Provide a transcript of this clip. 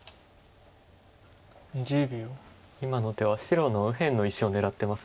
今の手は白の右辺の石を狙ってます。